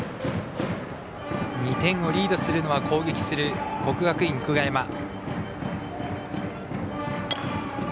２点をリードするのは攻撃する国学院久我山。